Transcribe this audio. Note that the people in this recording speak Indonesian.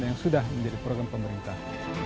yang sudah menjadi program pemerintah